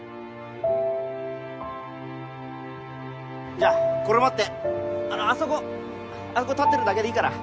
じゃあこれ持ってあそこあそこ立ってるだけでいいから。